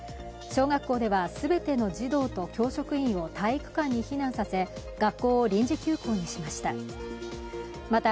小学校ではすべての児童と教職員を体育館に避難させ学校を臨時休校にしました。